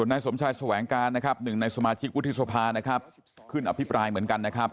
าสมชายสวรรค์แหงกลานนะครับ๑นายสมาชิกวุธิศภานะครับคืนอภิบรายเหมือนกันนะครับ